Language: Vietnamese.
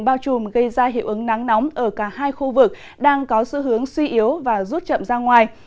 bao trùm gây ra hiệu ứng nắng nóng ở cả hai khu vực đang có sự hướng suy yếu và rút chậm ra ngoài